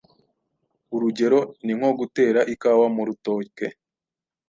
Urugero ni nko gutera ikawa mu rutoke